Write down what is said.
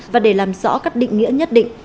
và để làm rõ các định nghĩa nhất định